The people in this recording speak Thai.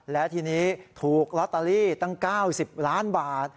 และทีนี้ถูกลอตเตอรี่ตั้ง๙๐ล้านบาท